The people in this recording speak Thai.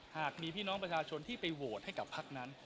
หากมีพี่น้องประชาชนที่ไปโหวตให้กับพักนั้น